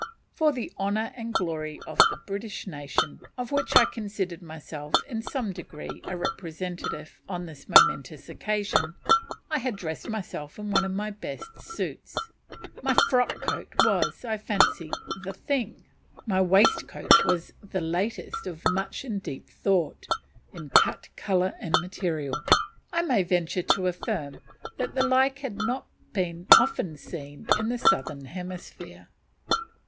For the honour and glory of the British nation, of which I considered myself in some degree a representative on this momentous occasion, I had dressed myself in one of my best suits. My frock coat was, I fancy, "the thing;" my waistcoat was the result of much and deep thought, in cut, colour, and material; I may venture to affirm that the like had not been often seen in the southern hemisphere.